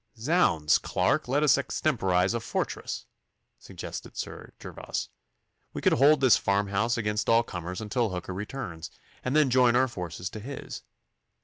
'Zounds, Clarke! let us extemporise a fortress,' suggested Sir Gervas. 'We could hold this farmhouse against all comers until Hooker returns, and then join our forces to his.